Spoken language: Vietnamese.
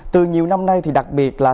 từ nhiều năm nay thì đặc biệt là